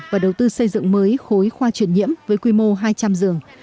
và đầu tư xây dựng mới khối khoa truyền nhiễm với quy mô hai trăm linh giường